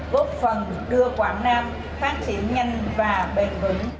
góp phần đưa quảng nam phát triển nhanh và bền vững